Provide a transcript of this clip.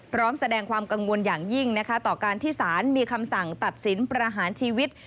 พร้อมแสดงความกังวลอย่างยิ่งนะคะต่อการที่สารมีคำสั่งตัดสินประหารชีวิต